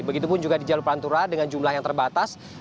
begitupun juga di jalur pantura dengan jumlah yang terbatas